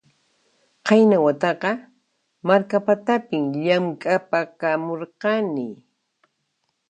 Qayna wataqa Markapatapin llamk'apakamurani